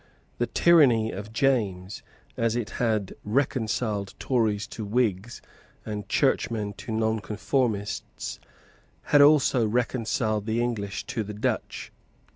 The tyranny of James, as it had reconciled Tories to Whigs and Churchmen to Nonconformists, had also reconciled the English to the Dutch.